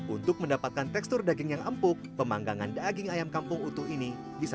untuk mendapatkan tekstur daging yang empuk pemanggangan daging ayam kampung utuh ini bisa